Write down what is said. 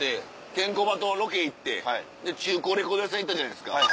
ケンコバとロケ行って中古レコード屋さん行ったじゃないですか。